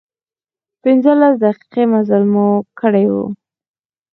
پنځلس دقيقې مزل مو کړی و.